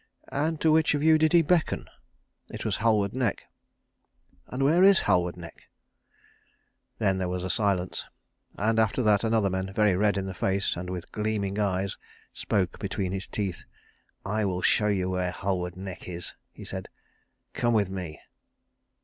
"And to which of you did he beckon?" "It was to Halward Neck." "And where is Halward Neck?" Then there was a silence, and after that another man, very red in the face and with gleaming eyes, spoke between his teeth. "I will show you where Halward Neck is," he said. "Come with me."